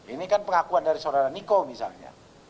ini kan pengakuan dari saudara niko misalnya